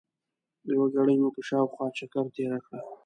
یوه ګړۍ مو په شاوخوا چکر تېره کړه.